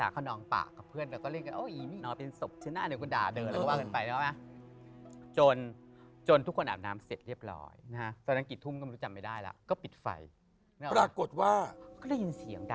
ก็เปิดไฟก็เป็นอินเนี่ยนอนอยู่เตียงอ่ะ